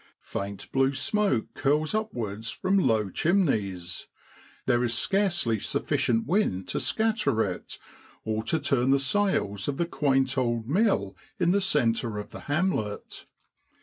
Faint blue smoke curls upwards from the low chimneys; there is scarcely sufficient wind to scatter it or to turn the sails of the quaint old mill in the centre of the hamlet.